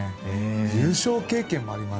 優勝経験もあります